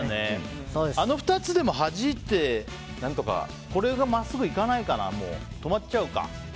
あの２つでもはじいてこれがまっすぐ行かないかな止まっちゃうか。